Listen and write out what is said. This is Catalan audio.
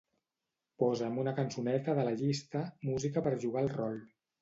Posa'm una cançoneta de la llista "música per jugar al rol".